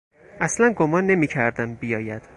اصلا گمان نمیکردم بیاید.